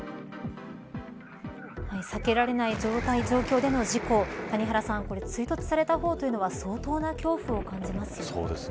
避けられない状態、状況での事故追突された方というのは相当な恐怖を感じますよね。